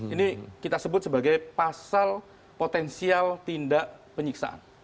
ini kita sebut sebagai pasal potensial tindak penyiksaan